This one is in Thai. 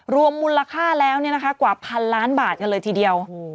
รวมมูลค่าแล้วกว่าพันล้านบาทกันเลยทีเดียว